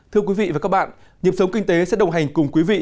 thưa quý vị và các bạn nhiệm sống kinh tế sẽ đồng hành cùng quý vị